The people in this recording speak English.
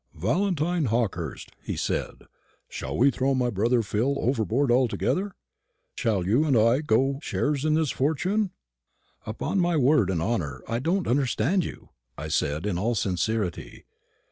"Valentine Hawkehurst," he said, "shall we throw my brother Phil overboard altogether? Shall you and I go shares in this fortune?" "Upon my word and honour I don't understand you," I said, in all sincerity.